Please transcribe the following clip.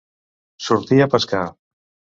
Sortir a pescar.